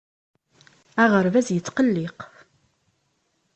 Aɣerbaz yettqelliq.